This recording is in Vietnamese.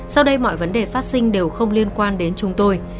sau đây mọi vấn đề phát sinh đều không liên quan đến chúng tôi